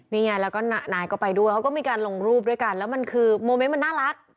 นี่ไงแล้วก็นายก็ไปด้วยเขาก็มีการลงรูปด้วยกันแล้วมันคือโมเมนต์มันน่ารัก